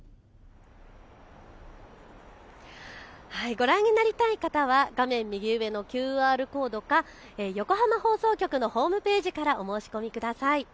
ご覧になりたい方は画面右上のＱＲコードか横浜放送局のホームページからお申し込みください。